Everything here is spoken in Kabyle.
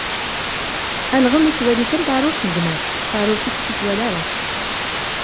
Alɣem yettwali kan taɛrurt n gma-s, taɛrurt-is ur tt-yettwali ara.